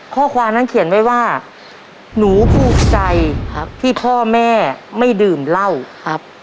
ข้อความนั้นเขียนไว้ว่าหนูภูมิใจครับที่พ่อแม่ไม่ดื่มเหล้าครับ